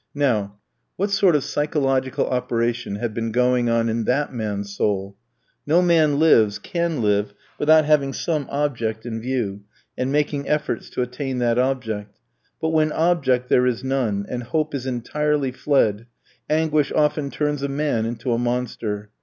Now, what sort of psychological operation had been going on in that man's soul? No man lives, can live, without having some object in view, and making efforts to attain that object. But when object there is none, and hope is entirely fled, anguish often turns a man into a monster.